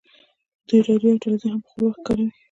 دوی راډیو او ټلویزیون هم په خپل واک کې کاروي